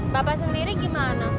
bapak sendiri gimana